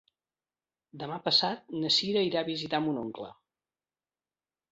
Demà passat na Sira irà a visitar mon oncle.